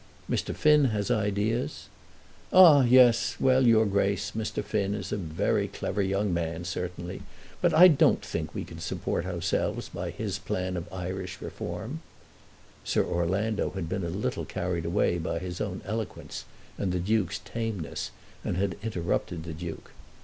"Mr. Finn has ideas ." "Ah, yes; well, your Grace. Mr. Finn is a very clever young man certainly; but I don't think we can support ourselves by his plan of Irish reform." Sir Orlando had been a little carried away by his own eloquence and the Duke's tameness, and had interrupted the Duke.